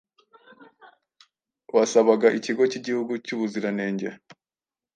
wasabaga ikigo cy'igihugu cy'ubuziranenge